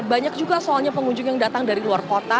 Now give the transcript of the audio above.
banyak juga soalnya pengunjung yang datang dari luar kota